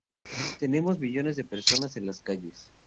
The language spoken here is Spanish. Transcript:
Tenemos millones de personas en las calles.